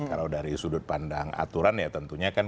kalau dari sudut pandang aturan ya tentunya kan